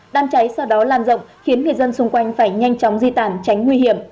đám cháy sau đó lan rộng khiến người dân xung quanh phải nhanh chóng di tản tránh nguy hiểm